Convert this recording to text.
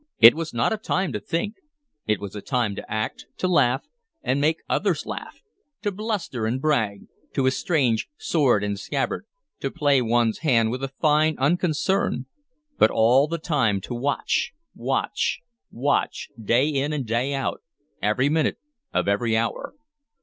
It was not a time to think; it was a time to act, to laugh and make others laugh, to bluster and brag, to estrange sword and scabbard, to play one's hand with a fine unconcern, but all the time to watch, watch, watch, day in and day out, every minute of every hour.